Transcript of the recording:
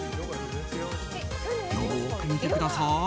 よく見てください。